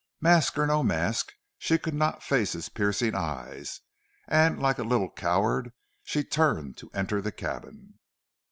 Mask or no mask, she could not face his piercing eyes, and like a little coward she turned to enter the cabin.